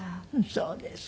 そうですか。